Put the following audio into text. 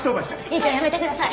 院長やめてください！